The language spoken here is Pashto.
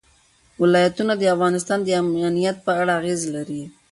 ولایتونه د افغانستان د امنیت په اړه اغېز لري.